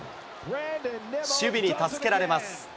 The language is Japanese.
守備に助けられます。